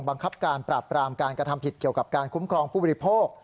บังคับการปราบปรามการกระทำผิดเกี่ยวกับการคุ้มครองผู้บริโภค